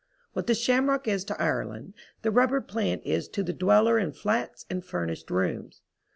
What the shamrock is to Ireland the rubber plant is to the dweller in flats and furnished rooms.